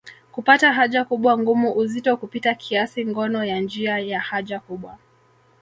Kupata haja kubwa ngumu uzito kupita kiasi ngono ya njia ya haja kubwa